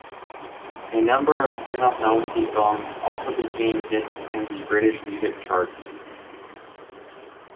A number of spin-off novelty songs also became hits in the British music charts.